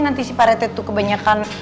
nanti si pak rete tuh kebanyakan